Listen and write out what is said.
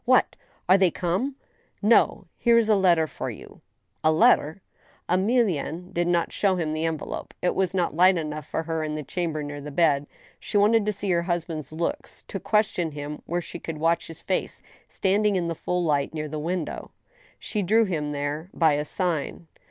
" What } Are they come ?"" No. Here's a letter for you." "A letter?" Emilienne did not show him the envelope. It was not light enough for her in the chamber near the bed. She wanted to see her husband's looks, to question him where she could watch his face standing in the full light — near the window. She drew him there by a sign.